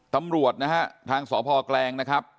ตำรวจนะฮะทางสพแกลงนะครับ